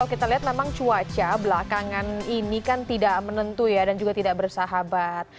kalau kita lihat memang cuaca belakangan ini kan tidak menentu ya dan juga tidak bersahabat